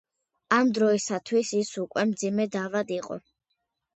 ამ დროისათვის ის უკვე მძიმედ ავად იყო.